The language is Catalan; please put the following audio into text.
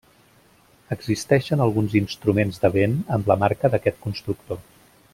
Existeixen alguns instruments de vent amb la marca d'aquest constructor.